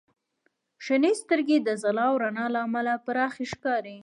• شنې سترګې د ځلا او رڼا له امله پراخې ښکاري.